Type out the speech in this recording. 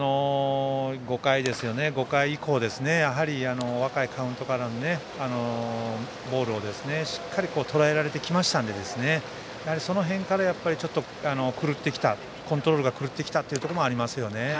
５回以降やはり若いカウントからのボールをしっかりとらえられてきましたのでその辺から、ちょっとコントロールが狂ったこともありますよね。